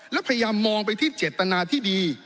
และพยายามมองไปที่เจตนาที่ดี